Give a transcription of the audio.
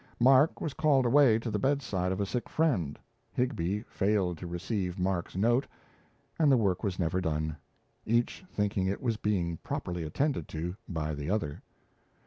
Mark was called away to the bedside of a sick friend, Higbie failed to receive Mark's note, and the work was never done each thinking it was being properly attended to by the other.